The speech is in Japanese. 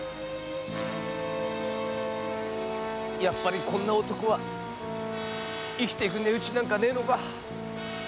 やっぱりこんな男は生きていく値打ちなんかないのか。